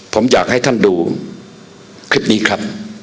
ผมอยากให้ท่านดูคลิปนี้ครับ